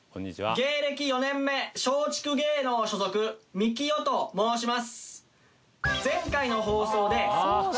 芸歴４年目松竹芸能所属ミキオと申します。